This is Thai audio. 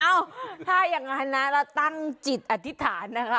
เอ้าถ้าอย่างนั้นนะเราตั้งจิตอธิษฐานนะคะ